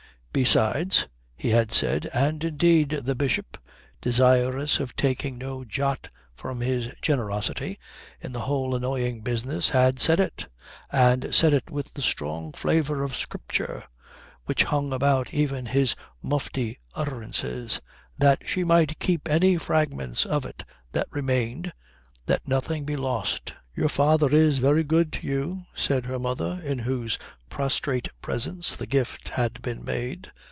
Besides, he had said and indeed the Bishop, desirous of taking no jot from his generosity in the whole annoying business, had said it, and said it with the strong flavour of Scripture which hung about even his mufti utterances that she might keep any fragments of it that remained that nothing be lost. "Your father is very good to you," said her mother, in whose prostrate presence the gift had been made.